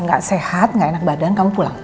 gak sehat gak enak badan kamu pulang